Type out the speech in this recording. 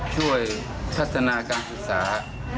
ช่วยพัฒนาการศึกษา